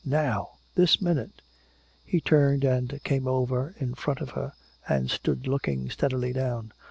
Now! This minute!" He turned and came over in front of her, and stood looking steadily down.